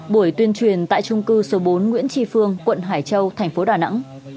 buổi tuyên truyền tại trung cư số bốn nguyễn tri phương quận hải châu thành phố đà nẵng